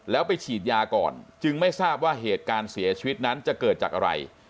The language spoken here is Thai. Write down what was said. แล้วไปฉีดยาก่อนจึงไม่ทราบว่าเหตุการณ์เสียชีวิตนั้นจะเกิดจากอะไร